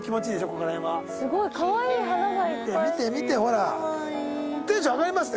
ここら辺はすごいかわいい花がいっぱい見て見て見てほらテンション上がりますね